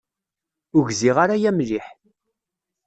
Ur gziɣ ara aya mliḥ.